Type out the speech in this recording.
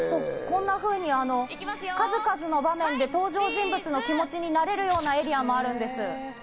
こんなふうに数々の場面で登場人物の気持ちになれるようなエリアもあるんです。